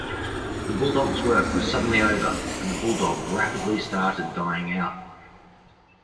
The bulldog's work was suddenly over and the bulldog rapidly started dying out.